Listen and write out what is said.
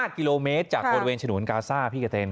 ๕กิโลเมตรจากบริเวณฉนวนกาซ่าพี่กะเต็ม